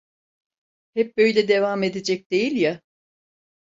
Hep böyle devam edecek değil ya.